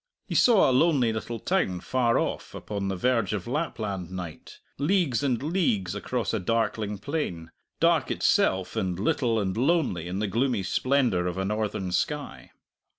He saw a lonely little town far off upon the verge of Lapland night, leagues and leagues across a darkling plain, dark itself and little and lonely in the gloomy splendour of a Northern sky.